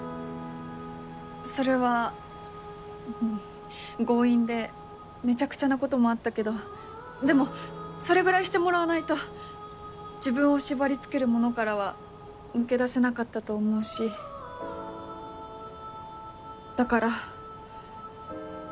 それはうん強引でめちゃくちゃなこともあったけどでもそれぐらいしてもらわないと自分を縛り付けるものからは抜け出せなかったと思うしだから。